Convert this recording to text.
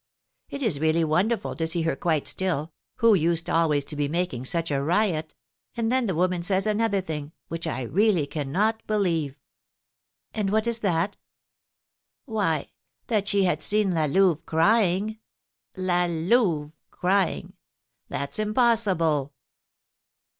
It is really wonderful to see her quite still, who used always to be making such a riot; and then the woman says another thing, which I really cannot believe." "And what is that?" "Why, that she had seen La Louve crying; La Louve crying, that's impossible!"